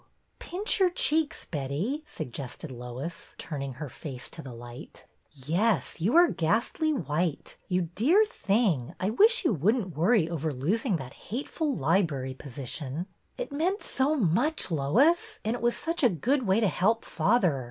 Pinch your cheeks, Betty," suggested Lois, turning her face to the light. ''Yes, you are ghastly white. You dear thing, I wish you would n't worry over losing that hateful library position." " It meant so much, Lois. It was such a good way to help father.